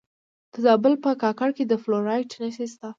د زابل په کاکړ کې د فلورایټ نښې شته.